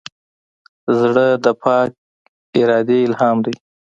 زړه د پاک ارادې الهام دی.